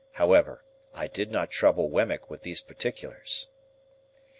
However, I did not trouble Wemmick with these particulars.